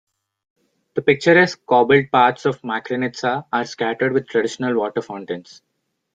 The picturesque cobbled paths of Makrinitsa are scattered with traditional water fountains.